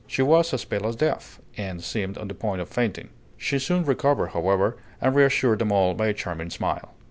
She was as pale as death, and seemed on the point of fainting. She soon recovered, however, and reassured them all by a charming smile.